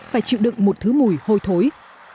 phải chịu đựng một thứ mùi hôi thối